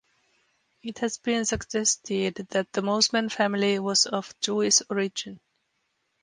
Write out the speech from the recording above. It has been suggested that the Mosman family was of Jewish origin.